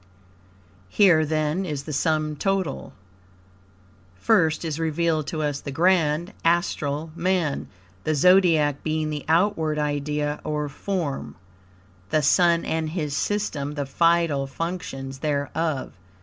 Here, then, is the sum total: First is revealed to us the grand Astral Man, the Zodiac being the outward idea or form, the Sun and his system the vital functions thereof.